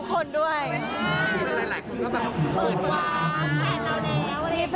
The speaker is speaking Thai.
พวกคู่ไม่มี